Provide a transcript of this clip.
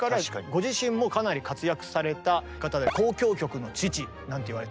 ご自身もかなり活躍された方で「交響曲の父」なんていわれてて。